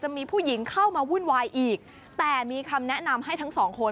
มีผู้หญิงเข้ามาวุ่นวายอีกแต่มีคำแนะนำให้ทั้งสองคน